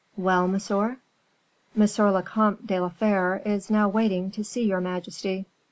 "Well, monsieur?" "M. le Comte de la Fere is now waiting to see your majesty."